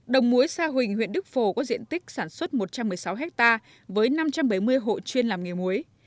đồng mối sa huỳnh huyện đức phổ có diện tích sản xuất một trăm một mươi sáu ha với năm trăm bảy mươi hộ chuyên làm nghề muối